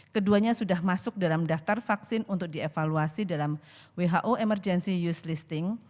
keduanya sudah masuk dalam daftar vaksin untuk dievaluasi dalam who emergency use listing